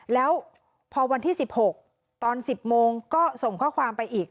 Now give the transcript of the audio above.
แล้วพอวันที่๑๖ตอน๑๐โมงก็ส่งข้อความไปอีก